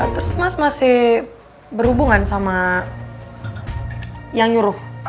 terus mas masih berhubungan sama yang nyuruh